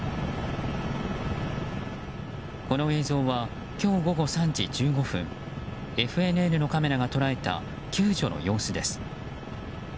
この映像は今日午後３時１５分ＦＮＮのカメラが捉えた救助の様子です。